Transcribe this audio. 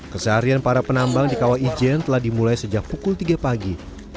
keseharian para penambang di kawah ijen telah dimulai sejak pukul tiga pagi